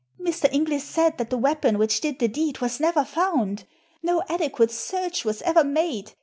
Mr. Inglis said that the weapon which did the deed was never found. No adequate search was ever made.